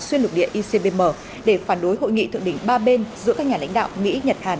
xuyên lục địa icbm để phản đối hội nghị thượng đỉnh ba bên giữa các nhà lãnh đạo mỹ nhật hàn